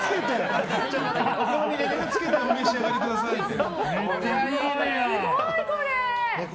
お好みでつけてお召し上がりくださいって。